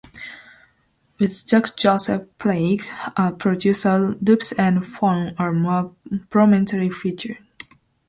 With Jack Joseph Puig as producer, loops and horns were more prominently featured.